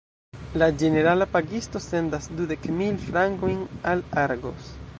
La ĝenerala pagisto sendas dudek mil frankojn al Argos.